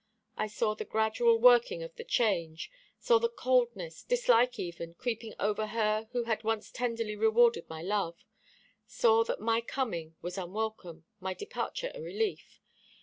I saw the gradual working of the change saw coldness, dislike even, creeping over her who had once tenderly rewarded my love saw that my coming was unwelcome, my departure a relief.